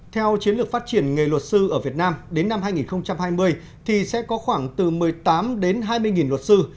theo chiến lược phát triển nghề luật sư ở việt nam đến năm hai nghìn hai mươi thì sẽ có khoảng từ một mươi tám đến hai mươi luật sư